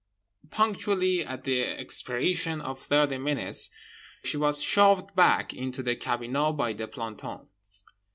Punctually at the expiration of thirty minutes she was shoved back into the cabinot by the plantons.